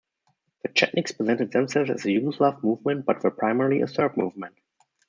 The Chetniks presented themselves as a Yugoslav movement, but were primarily a Serb movement.